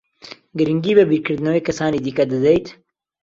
گرنگی بە بیرکردنەوەی کەسانی دیکە دەدەیت؟